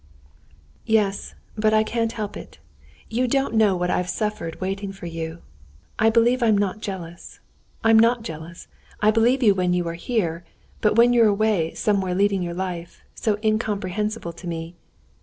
"Yes; but I can't help it. You don't know what I have suffered waiting for you. I believe I'm not jealous. I'm not jealous: I believe you when you're here; but when you're away somewhere leading your life, so incomprehensible to me...."